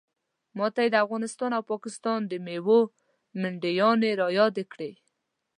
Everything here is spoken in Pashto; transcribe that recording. ماته یې د افغانستان او پاکستان د میوو منډیانې رایادې کړې.